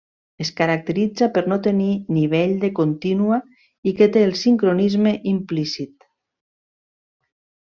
Es caracteritza per no tenir nivell de contínua i que té el sincronisme implícit.